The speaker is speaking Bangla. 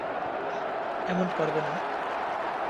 এমন করবে না।